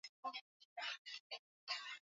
Tumia dakika nnetanokupika